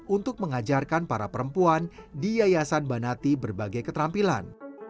untuk mengajarkan para perempuan di yayasan banati berbagai keterampilan